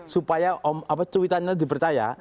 supaya tweetannya dipercaya